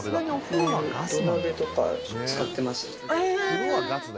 土鍋とか使ってます。